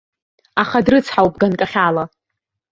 Аха дрыцҳауп ганкахьала.